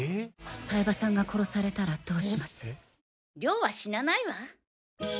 冴羽さんが殺されたらどうします？は死なないわ。